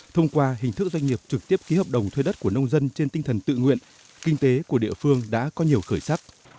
thông qua hình thức doanh nghiệp trực tiếp ký hợp đồng thuê đất của nông dân trên tinh thần tự nguyện kinh tế của địa phương đã có nhiều khởi sắc